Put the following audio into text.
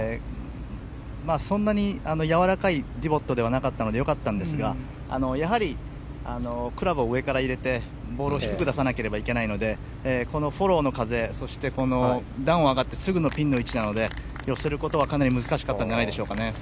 そんなにやわらかいディボットではなかったので良かったんですがやはり、クラブを上から入れてボールを低く出さないといけないのでこのフォローの風そして段を上がってすぐのピンの位置なので寄せることは、かなり難しかったんじゃないでしょうかね。